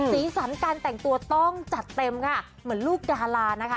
สีสันการแต่งตัวต้องจัดเต็มค่ะเหมือนลูกดารานะคะ